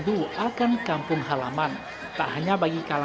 buas pasti lah buas